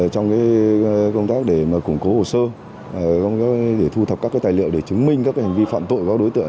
trong công tác để củng cố hồ sơ để thu thập các tài liệu để chứng minh các hành vi phạm tội của các đối tượng